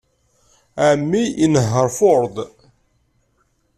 Ɛemmi inehheṛ Ford.